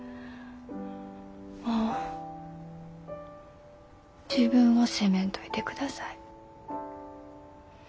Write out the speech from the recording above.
もう自分を責めんといてください。